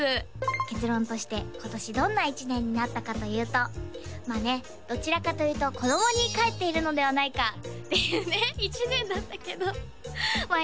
結論として今年どんな１年になったかというとまあねどちらかというと子供にかえっているのではないかっていうね１年だったけどまあ